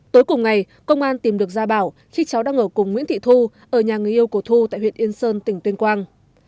tối cùng ngày công an tìm được gia bảo khi cháu đang ở cùng nguyễn thị thu ở nhà người yêu của thu tại huyện yên sơn tỉnh tuyên quang